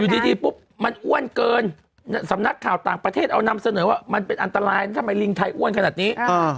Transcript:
ดีปุ๊บมันอ้วนเกินสำนักข่าวต่างประเทศเอานำเสนอว่ามันเป็นอันตรายทำไมลิงไทยอ้วนขนาดนี้